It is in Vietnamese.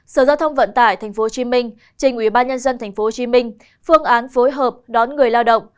sở giao thông vận tải tp hcm trình ubnd tp hcm phương án phối hợp đón người lao động